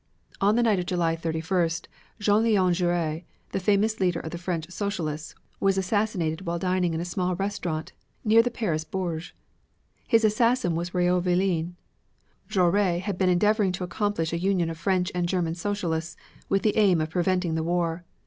On the night of July 31st Jean Leon Jaures, the famous leader of French Socialists, was assassinated while dining in a small restaurant near the Paris Bourse. His assassin was Raoul Villein. Jaures had been endeavoring to accomplish a union of French and German Socialists with the aim of preventing the war.